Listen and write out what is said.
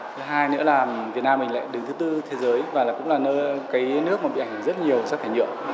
thứ hai nữa là việt nam mình lại đứng thứ tư thế giới và cũng là cái nước mà bị ảnh hưởng rất nhiều rác thải nhựa